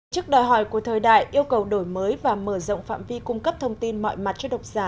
trước đòi hỏi của thời đại yêu cầu đổi mới và mở rộng phạm vi cung cấp thông tin mọi mặt cho độc giả